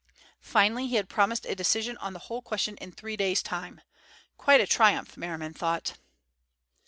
Finally he had promised a decision on the whole question in three days' time. Quite a triumph, Merriman thought.